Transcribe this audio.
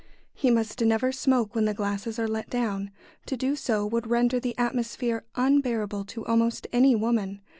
He must never smoke when the glasses are let down to do so would render the atmosphere unbearable to almost any woman.